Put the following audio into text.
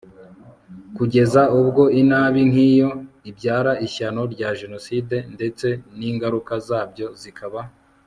kugeza ubwo inabi nk'iyo ibyara ishyano rya jenoside ndetse n'ingaruka zabyo zikaba